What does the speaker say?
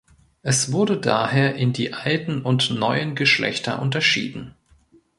Es wurde daher in die „alten“ und „neuen“ Geschlechter unterschieden.